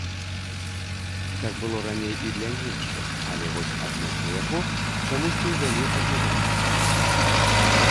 Так было раней і для іншых, але вось адносна яго чамусьці ўвялі абмежаванне.